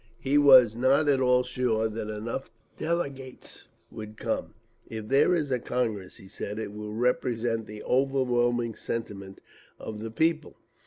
He was not at all sure that enough delegates would come. "If there is a Congress," he said, "it will represent the overwhelming sentiment of the people.